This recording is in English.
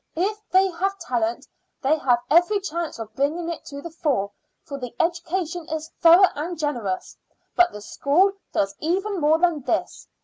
If they have talent they have every chance of bringing it to the fore, for the education is thorough and generous. But the school does even more than this.